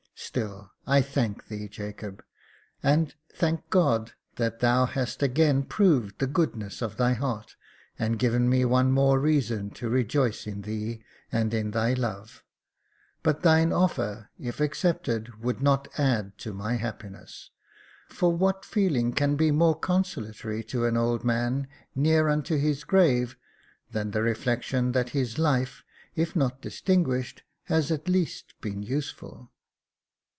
Still I thank thee, Jacob ; and thank God that thou hast again proved the goodness of thy heart, and given me one more reason to rejoice in thee and in thy love j but thine offer, if accepted, Jacob Faithful 399 would not add to my happiness ; for what feeling can be more consolatory to an old man near unto his grave than the reflection that his life, if not distinguished, has at least been useful